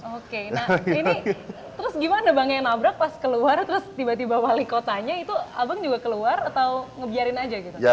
oke nah ini terus gimana bang yang nabrak pas keluar terus tiba tiba wali kotanya itu abang juga keluar atau ngebiarin aja gitu